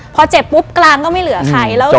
พอเจ็บปุ๊บกลางก็ไม่เหลือใคร